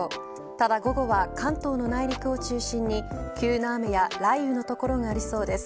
ただ午後は関東の内陸を中心に急な雨や雷雨の所がありそうです。